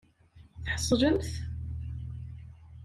Tḥeṣlemt?